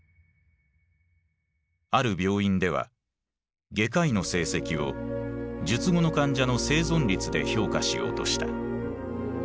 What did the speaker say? ある病院では外科医の成績を術後の患者の「生存率」で評価しようとした。